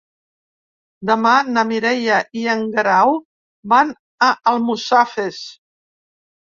Demà na Mireia i en Guerau van a Almussafes.